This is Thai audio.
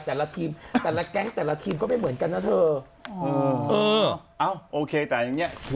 แต่แกล้งแต่ละทีมก็ไม่เหมือนกันนะเธอ